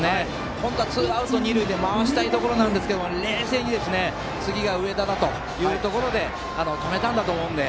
本当はツーアウトで回したいところですが冷静に次は上田というところで止めたんだと思うので